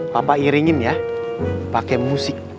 papa iringin ya pakai musik